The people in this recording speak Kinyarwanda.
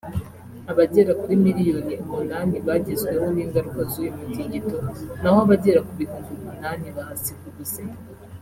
Abagera kuri miliyoni umunani bagezweho n’ingaruka z’uyu mutingito naho abagera ku bihumbi umunani bahasiga ubuzima